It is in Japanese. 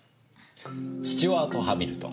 「スチュワートハミルトン」。